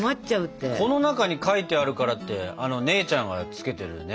この中に書いてあるからって姉ちゃんがつけてるね